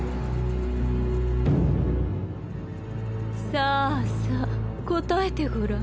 ・さあさ答えてごらん。